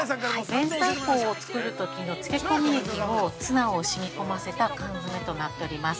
明太子を作るときの漬け込み液をツナにしみ込ませた缶詰となっております。